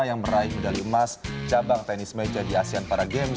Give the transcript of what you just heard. yang meraih medali emas cabang tenis meja di asean para games dua ribu delapan belas